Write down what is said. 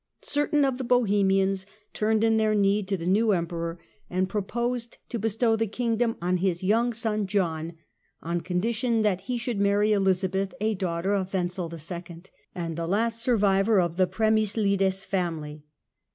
Certain of the Bohemians turned in their need to the new Emperor and proposed to bestow the Kingdom on his young son John, on condition that he should marry Elizabeth a daughter of Wenzel II. John of ^^^ ^tie last survivor of the Premyslides family.